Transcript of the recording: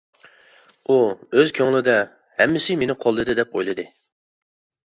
ئۇ ئۆز كۆڭلىدە، ھەممىسى مېنى قوللىدى دەپ ئويلىدى.